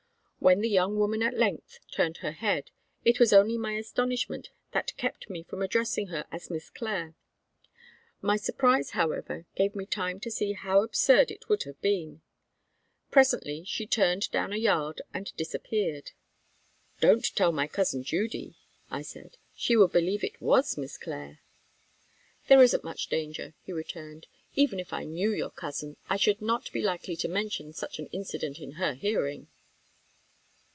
When the young woman at length turned her head, it was only my astonishment that kept me from addressing her as Miss Clare. My surprise, however, gave me time to see how absurd it would have been. Presently she turned down a yard and disappeared." "Don't tell my cousin Judy," I said. "She would believe it was Miss Clare." "There isn't much danger," he returned. "Even if I knew your cousin, I should not be likely to mention such an incident in her hearing."